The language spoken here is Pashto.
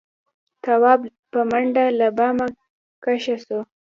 تواب په منډه له بامه کښه شو.